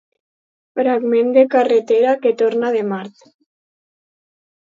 Fragment de carretera que torna de Mart.